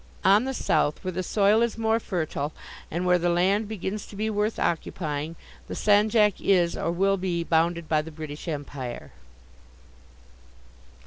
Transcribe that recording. On the south, where the soil is more fertile and where the land begins to be worth occupying, the Sanjak is, or will be, bounded by the British Empire.